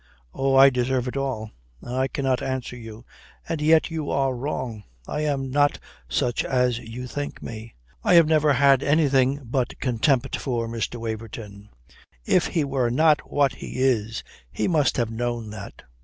"Oh, I deserve it all. I cannot answer you. And yet you are wrong. I am not such as you think me. I have never had anything but contempt for Mr. Waverton. If he were not what he is, he must have known that.